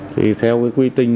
thì theo cái quy trình